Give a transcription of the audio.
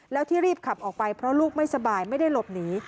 แล้วที่รีบขับออกไปเพราะลูกไม่สบายไม่ได้หลบหนี